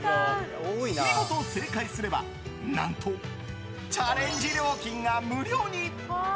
見事正解すれば何と、チャレンジ料金が無料に。